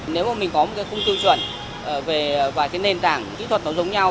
nếu mà mình có một khung tiêu chuẩn về vài nền tảng kỹ thuật nó giống nhau